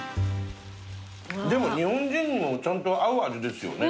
でも日本人にもちゃんと合う味ですよね